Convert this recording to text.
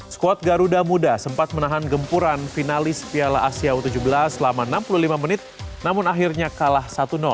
skuad garuda muda sempat menahan gempuran finalis piala asia u tujuh belas selama enam puluh lima menit namun akhirnya kalah satu